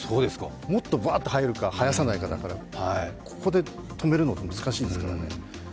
もっとバーッと生えるか生やさないかだからここで止めるの、難しいですよ。